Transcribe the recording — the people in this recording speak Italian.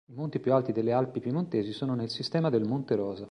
I monti più alti delle Alpi piemontesi sono nel sistema del Monte Rosa.